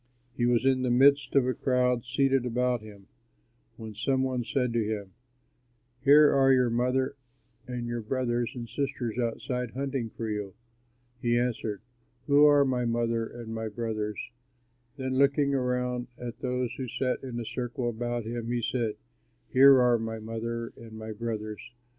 He was in the midst of a crowd seated about him when some one said to him, "Here are your mother and your brothers and sisters outside hunting for you." He answered, "Who are my mother and my brothers?" Then looking around at those who sat in a circle about him, he said, "Here are my mother and my brothers.